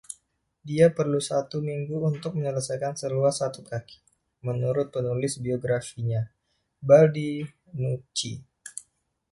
"Dia perlu satu minggu untuk menyelesaikan seluas satu kaki", menurut penulis biografinya, Baldinucci.